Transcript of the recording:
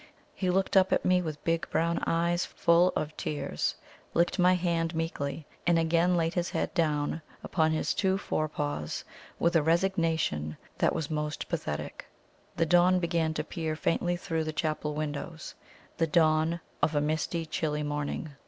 He looked up at me with big brown eyes full of tears, licked my hand meekly, and again laid his head down upon his two fore paws with a resignation that was most pathetic. The dawn began to peer faintly through the chapel windows the dawn of a misty, chilly morning.